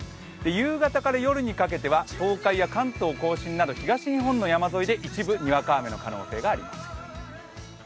夕方から夜にかけては東海、関東甲信など東日本の山沿いで一部にわか雨の可能性があります。